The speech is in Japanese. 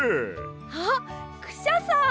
あっクシャさん！